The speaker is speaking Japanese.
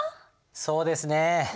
そうですね。